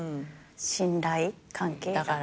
信頼関係が。